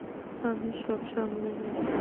আমি সব সামলে নিব।